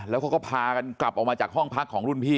แล้วเขาก็พากันกลับออกมาจากห้องพักของรุ่นพี่